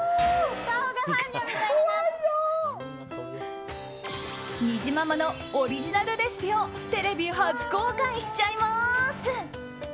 怖いよ！にじままのオリジナルレシピをテレビ初公開しちゃいます。